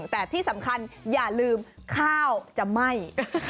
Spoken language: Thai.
แต่ที่สำคัญอย่าลืมข้าวจะไหม้